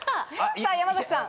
さぁ山崎さん。